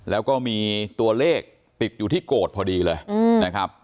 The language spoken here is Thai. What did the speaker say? แล้วก็มีตัวเลขติดอยู่ที่โกรธพอดีเลยนะครับ